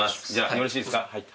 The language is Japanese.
よろしいですか？